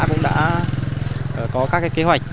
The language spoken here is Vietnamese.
cũng đã có các kế hoạch